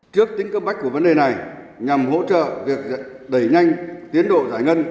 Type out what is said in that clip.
trước tính cấp bách của vấn đề này nhằm hỗ trợ việc đẩy nhanh tiến độ giải ngân